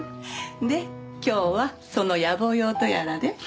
で今日はそのやぼ用とやらで？